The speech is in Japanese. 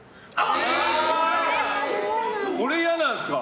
これ嫌なんですか？